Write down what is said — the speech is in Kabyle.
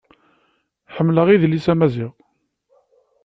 Ḥemmleɣ idles amaziɣ.